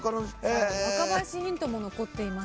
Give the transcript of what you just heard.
若林ヒントも残っています。